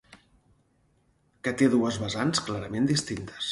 Que té dues vessants clarament distintes.